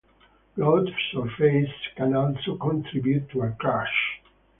Road surface can also contribute to a crash.